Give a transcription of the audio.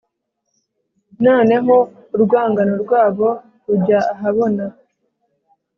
noneho urwangano rwabo rujya ahabona